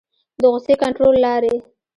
د غصې کنټرول لارې